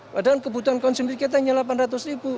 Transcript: padahal kebutuhan konsumsi kita hanya delapan ratus ribu